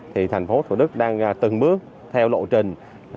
thì thành phố thủ đức đang từng bước theo lộ trình